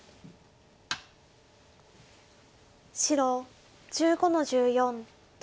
白１５の十四トビ。